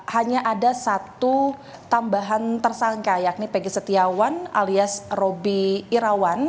hanya ada satu tambahan tersangka yakni peggy setiawan alias roby irawan